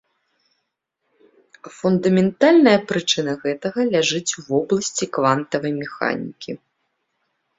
Фундаментальная прычына гэтага ляжыць у вобласці квантавай механікі.